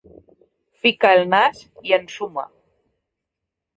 Fica el nas i ensuma.